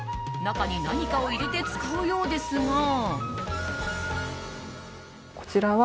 中に何かを入れて使うようですが。